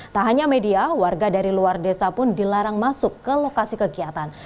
tak hanya media warga dari luar desa pun dilarang masuk ke lokasi kegiatan